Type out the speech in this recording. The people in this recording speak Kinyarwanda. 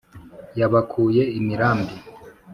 Yabakuye imirambi